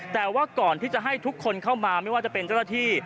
แต่ว่าก่อนที่จะให้ทุกคนเข้ามาไม่ว่าจะเป็นเจ้าหน้าที่